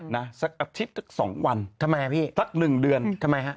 นะสักอาทิตย์สัก๒วันสัก๑เดือนทำไมครับ